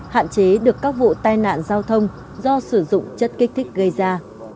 hạn chế được các vụ tai nạn giao thông do sử dụng chất kích thích gây ra